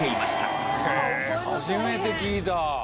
初めて聞いた！